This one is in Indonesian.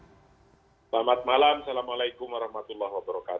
selamat malam assalamualaikum wr wb